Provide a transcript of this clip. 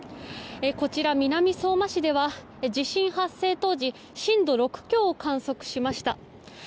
こちら南相馬市では地震発生当時震度６強を観測しました。